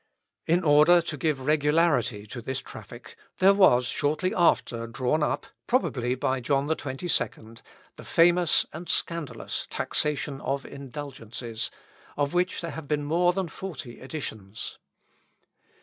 In order to give regularity to this traffic, there was shortly after drawn up (probably by John XXII,) the famous and scandalous taxation of indulgences, of which there have been more than forty editions.